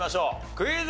クイズ。